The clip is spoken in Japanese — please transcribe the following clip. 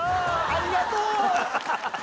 ありがとう！